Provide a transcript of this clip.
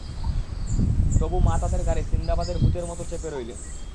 তবু মা তাঁদের ঘাড়ে সিন্দাবাদের ভূতের মতো চেপে রইলেন।